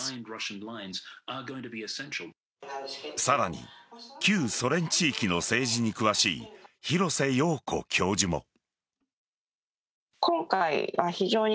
さらに旧ソ連地域の政治に詳しい廣瀬陽子教授も。